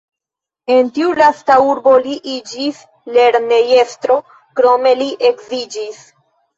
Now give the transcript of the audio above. En tiu lasta urbo li iĝis lernejestro, krome li edziĝis.